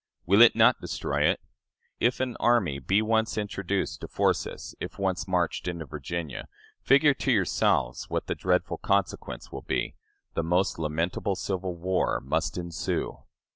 Will it not destroy it? If an army be once introduced to force us, if once marched into Virginia, figure to yourselves what the dreadful consequence will be: the most lamentable civil war must ensue."